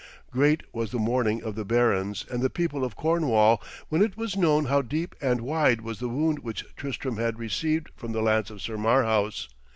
Great was the mourning of the barons and the people of Cornwall when it was known how deep and wide was the wound which Tristram had received from the lance of Sir Marhaus.